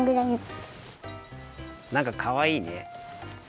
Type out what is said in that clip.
なんかかわいいね。